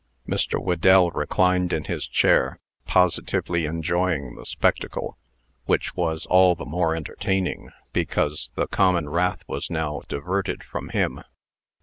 Mr. Whedell reclined in his chair, positively enjoying the spectacle, which was all the more entertaining because the common wrath was now diverted from him.